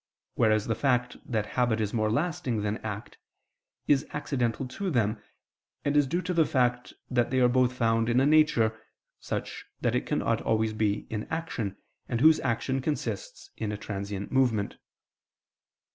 Whereas the fact that habit is more lasting than act, is accidental to them, and is due to the fact that they are both found in a nature such that it cannot always be in action, and whose action consists in a transient movement.